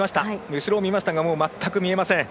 後ろを見ましたがもう全く見えません。